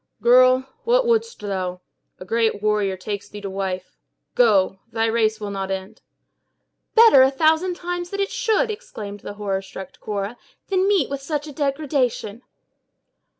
"Girl, what wouldst thou? A great warrior takes thee to wife. Go! thy race will not end." "Better, a thousand times, it should," exclaimed the horror struck Cora, "than meet with such a degradation!"